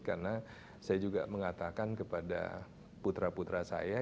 karena saya juga mengatakan kepada putra putra saya